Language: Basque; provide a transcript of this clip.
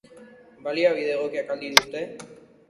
Baliabide egokiak al dituzte?